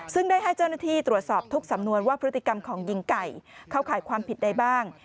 ซึ่งได้ให้เจ้าหน้าที่ตรวจสอบทุกสำนวนว่าพฤติกรรมของหญิงไก่เข้าข่ายความผิดใดบ้าง